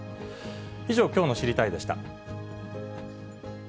以上、きょうの知りたいッ！でした。